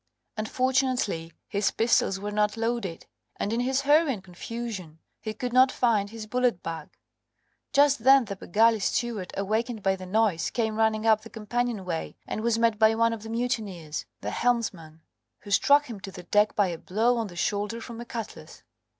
Unfortunately his pistols were not loaded, and in his hurry and confusion he could not find his bullet bag. Just then the Bengali steward, awakened by the noise, came running up the companion way, and was met by one of the mutineers the helmsman who struck him to the deck by a blow on the shoulder from a cutlass.